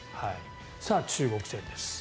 さあ、中国戦です。